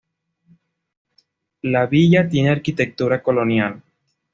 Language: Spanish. La villa tiene arquitectura colonial.